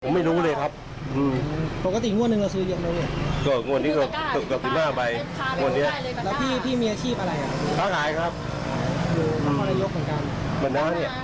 เท่านั้นเท่านั้นไหมอยู่ข้างหลังคำเฟอร์บ้านฮาน